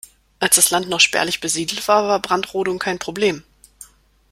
Als das Land noch spärlich besiedelt war, war Brandrodung kein Problem.